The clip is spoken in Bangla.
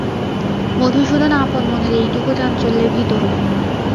মধুসূদন আপন মনের এইটুকু চাঞ্চল্যে ভীত হল।